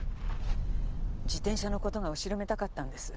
自転車の事が後ろめたかったんです。